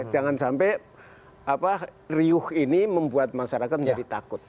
jangan sampai riuh ini membuat masyarakat menjadi takut